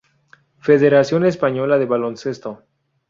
Federación Española de Baloncesto